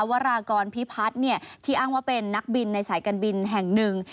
วรากรพิพัฒน์ที่อ้างว่าเป็นนักบินในสายการบินแห่งหนึ่ง